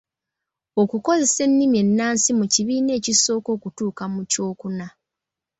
Okukozesa ennimi ennansi mu kibiina ekisooka okutuuka mu kyokuna.